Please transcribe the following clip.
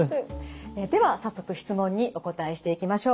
では早速質問にお答えしていきましょう。